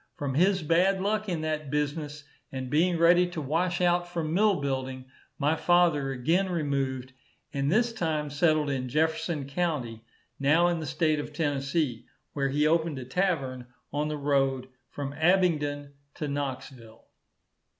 From his bad luck in that business, and being ready to wash out from mill building, my father again removed, and this time settled in Jefferson county, now in the state of Tennessee; where he opened a tavern on the road from Abbingdon to Knoxville.